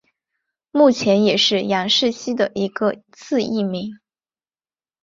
目前也是杨氏蜥的一个次异名。